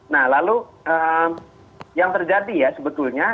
nah lalu yang terjadi ya sebetulnya